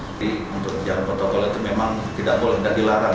jadi untuk jalan protokol itu memang tidak boleh dilarang